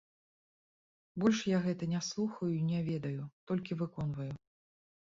Больш я гэта не слухаю і не ведаю, толькі выконваю.